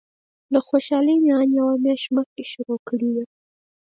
له خوشالۍ مې ان یوه میاشت دمخه شروع کړې وه.